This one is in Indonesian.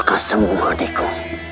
luka semua diku